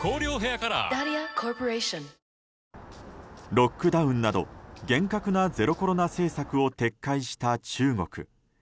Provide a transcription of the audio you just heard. ロックダウンなど、厳格なゼロコロナ政策を撤回した中国。